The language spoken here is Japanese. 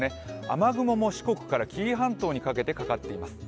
雨雲も四国から紀伊半島にかけてかかっています。